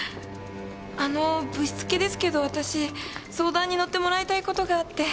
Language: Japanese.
あのぶしつけですけど私相談にのってもらいたいことがあって。